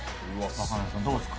若菜さんどうですか？